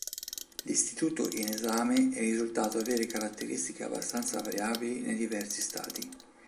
L'istituto in esame è risultato avere caratteristiche abbastanza variabili nei diversi stati.